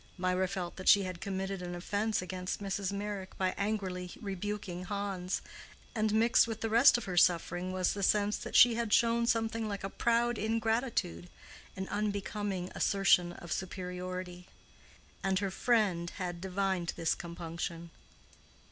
Mirah felt that she had committed an offense against Mrs. Meyrick by angrily rebuking Hans, and mixed with the rest of her suffering was the sense that she had shown something like a proud ingratitude, an unbecoming assertion of superiority. And her friend had divined this compunction.